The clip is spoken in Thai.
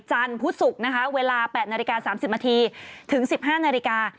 จันทร์พุธศุกร์นะคะเวลา๘นาฬิกา๓๐นาทีถึง๑๕นาฬิกา